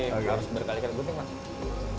harus berkali kali kuping lah